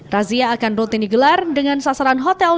razia akan rutin digelar dengan sasaran hotel